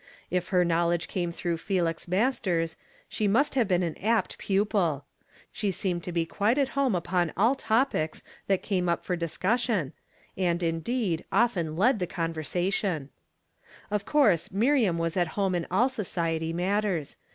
If her knowledge came through Felix Masters, slie must have been an apt pupil. She seemed to be quite at home upon all topics tM[f ctime up for discussion, and, indeed, often lecmT con venation. Of course Miriam was at home in all society matters.